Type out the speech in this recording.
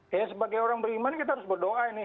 kayaknya sebagai orang beriman kita harus berdoa ini